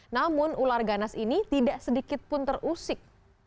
namun ular ganas ini tidak sedikit pun terusik